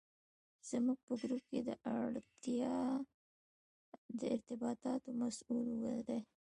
زموږ په ګروپ کې د ارتباطاتو مسوول دی.